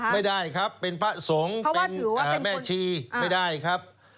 ไม่ได้ครับเป็นพระสงฆ์เป็นแม่ชีไม่ได้ครับ